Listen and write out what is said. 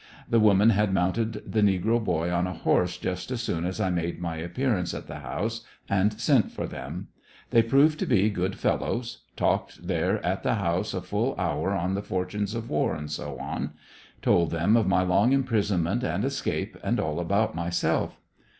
The woman had mounted the negro boy on a horse just as soon as I made my appearance at the house and sent for them. They proved to be good fellows. Talked there at the house a full hour on the fortunes of war, &c. Told them of my long imprisonment and escape and all about myself.